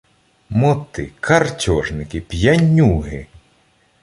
Моти, картьожники, п'янюги